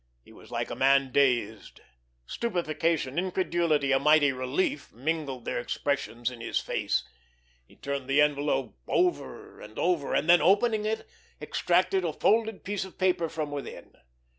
He was like a man dazed. Stupefaction, incredulity, a mighty relief, mingled their expressions in his face. He turned the envelope over and over; and then, opening it, extracted a folded piece of paper from within.